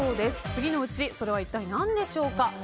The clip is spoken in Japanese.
次のうちそれは一体何でしょうか。